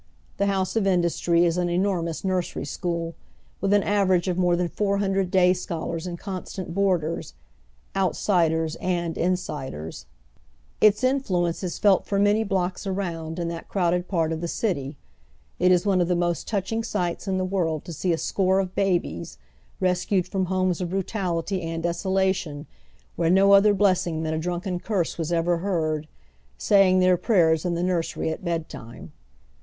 The House of Industry is an enormous nursery school with an average of more than four hundred day scholars and constant boarders — "outsiders " and " insiders." Its iiiflnence is felt for many blocks around in that crowded part of the city. It is one of the most touching eights in the world to see a score of babies, rescued froTii homes of brutality and desolation, where no otlier blessing than a di'unken curse was ever heard, saying tlieir prayei s in the nursery at bedtime.